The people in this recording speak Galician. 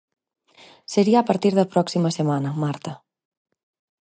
Sería a partir da próxima semana, Marta.